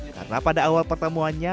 karena pada awal pertemuannya